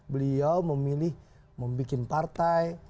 beliau memilih membuat partai